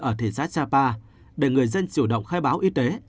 ở thị xã sapa để người dân chủ động khai báo y tế